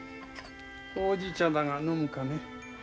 ほうじ茶だが飲むかね？